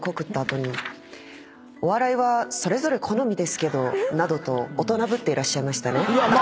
「お笑いはそれぞれ好みですけど」などと大人ぶっていらっしゃいましたね。